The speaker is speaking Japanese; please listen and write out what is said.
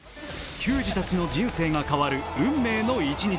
球児たちの人生が変わる運命の一日。